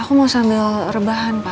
aku mau sambil rebahan pak